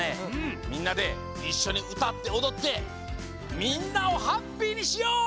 みんなでいっしょにうたっておどってみんなをハッピーにしよう！